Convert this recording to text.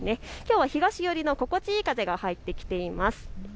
きょうは東寄りの心地いい風が入ってきています。